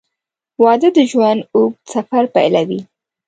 • واده د ژوند اوږد سفر پیلوي.